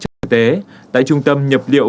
cho thực tế tại trung tâm nhập liệu